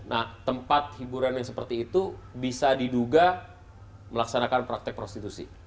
nah tempat hiburan yang seperti itu bisa diduga melaksanakan praktek prostitusi